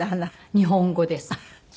日本語です。